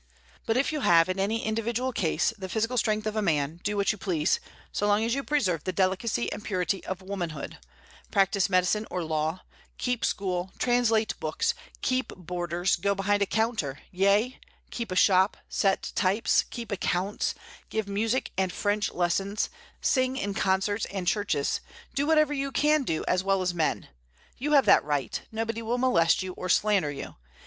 But if you have in any individual case the physical strength of a man, do what you please, so long as you preserve the delicacy and purity of womanhood, practise medicine or law, keep school, translate books, keep boarders, go behind a counter; yea, keep a shop, set types, keep accounts, give music and French lessons, sing in concerts and churches, do whatever you can do as well as men. You have that right; nobody will molest you or slander you.